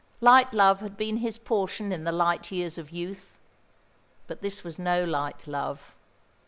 Light love had been his portion in the light years of youth; but this was no light love.